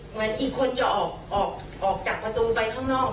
เหมือนอีกคนจะออกจากประตูไปข้างนอก